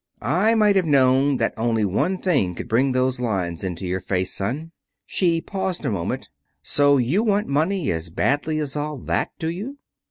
"I might have known that only one thing could bring those lines into your face, son." She paused a moment. "So you want money as badly as all that, do you?"